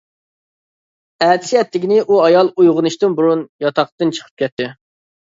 ئەتىسى ئەتىگىنى ئۇ ئايال ئويغىنىشتىن بۇرۇن ياتاقتىن چىقىپ كەتتى.